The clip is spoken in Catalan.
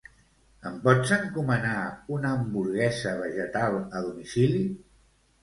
Em pots encomanar una hamburguesa vegetal a domicili?